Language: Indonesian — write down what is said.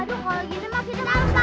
aduh kalau gini mah kita